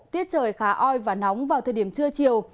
tiết trời khá oi và nóng vào thời điểm trưa chiều